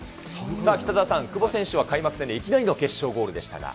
北澤さん、久保選手は開幕戦でいきなりの決勝ゴールでしたが。